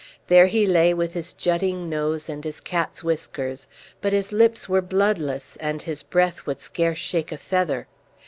There he lay with his jutting nose and his cat's whiskers, but his lips were bloodless, and his breath would scarce shake a feather.